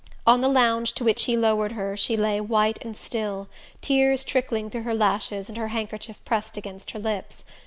On the lounge to which he lowered her she lay white and still, tears trickling through her lashes and her handkerchief pressed against her lips.